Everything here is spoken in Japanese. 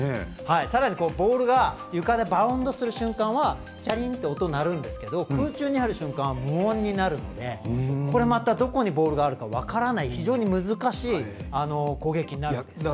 さらにボールが床でバウンドする瞬間はチャリンって音が鳴るんですが空中にある瞬間は無音になるのでボールがどこにあるか分からない非常に難しい攻撃になるんです。